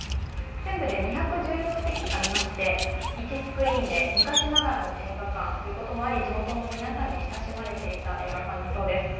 全部で２１６席ありまして、１スクリーンで昔ながらの映画館ということもあり、地元の皆さんに親しまれていた映画館だそうです。